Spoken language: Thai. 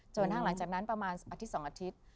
กระทั่งหลังจากนั้นประมาณอาทิตย์๒อาทิตย์